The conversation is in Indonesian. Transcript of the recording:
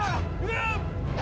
namaku menjalankan tugasmu